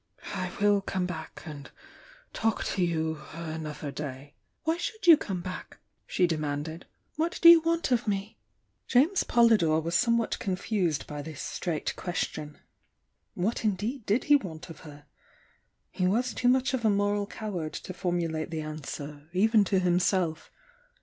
I will come back and talk to you another day " "Why should you come back?" she demanded. "What do you want of me?" James Polydore was somewhat confused by this straight question. What indeed did he want of her? He was too much of a moral coward to formulate the answer, even to himself.